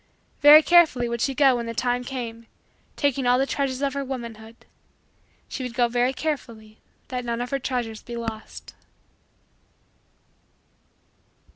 Very carefully would she go when the time came, taking all the treasures of her womanhood. She would go very carefully that none of her treasures be lost.